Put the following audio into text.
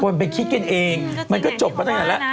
คนไปคิดกันเองมันก็จบแล้วนะ